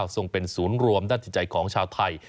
ทรงเป็นศูนย์รวมนัตยันติใจของชาวไทย